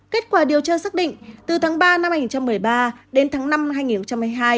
kết quả điều tra xác định từ tháng ba năm hai nghìn một mươi ba đến tháng năm hai nghìn hai mươi hai